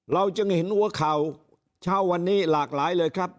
เราจึงเห็นหัวข่าวเช้าวันนี้หลากหลายเลยครับ